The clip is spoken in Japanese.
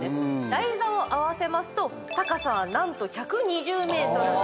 台座を合わせますと高さは、なんと１２０ｍ。